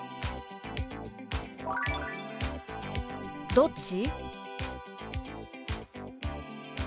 「どっち？」。